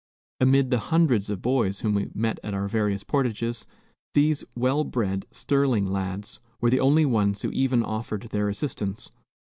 Amid the hundreds of boys whom we met at our various portages, these well bred Sterling lads were the only ones who even offered their assistance.